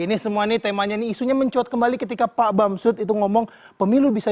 ini semua ini temanya ini isunya mencuat kembali ketika pak bamsud itu ngomong pemilu bisa